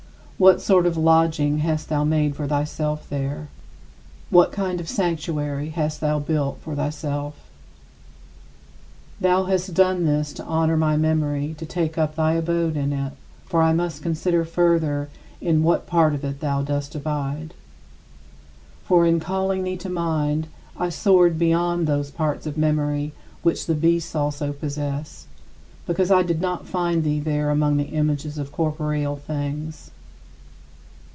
What sort of lodging hast thou made for thyself there? What kind of sanctuary hast thou built for thyself? Thou hast done this honor to my memory to take up thy abode in it, but I must consider further in what part of it thou dost abide. For in calling thee to mind, I soared beyond those parts of memory which the beasts also possess, because I did not find thee there among the images of corporeal things.